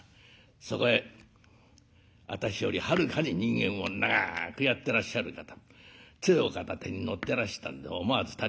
そこへ私よりはるかに人間を長くやってらっしゃる方つえを片手に乗ってらしたんで思わず立ち上がっちゃいましたね。